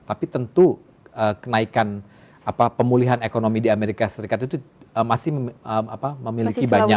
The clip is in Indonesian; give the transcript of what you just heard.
tapi tentu kenaikan pemulihan ekonomi di amerika serikat itu masih memiliki banyak